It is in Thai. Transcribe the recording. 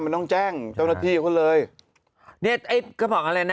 มันต้องแจ้งเจ้าหน้าที่ก็เลยเนี้ยเอ๋ก็บอกว่าอะไรนะ